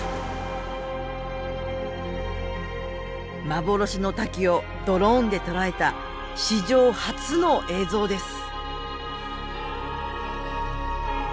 幻の滝をドローンで捉えた史上初の映像です。